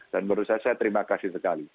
dan menurut saya saya terima kasih sekali